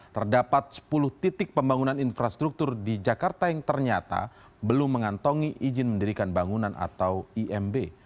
terdapat sepuluh titik pembangunan infrastruktur di jakarta yang ternyata belum mengantongi izin mendirikan bangunan atau imb